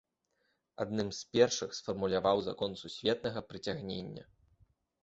Адным з першых сфармуляваў закон сусветнага прыцягнення.